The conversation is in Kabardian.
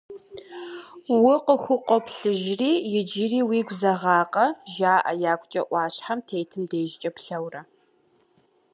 Укъыхукъуоплъыжри, иджыри уигу зэгъакъэ?! — жаӏэ ягукӏэ ӏуащхьэм тетым дежкӏэ плъэурэ.